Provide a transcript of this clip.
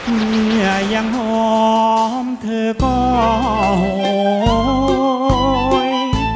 เมื่อยังหอมเธอก็โหย